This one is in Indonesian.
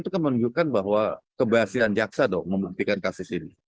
itu menunjukkan bahwa keberhasilan jaksa membuktikan kasus ini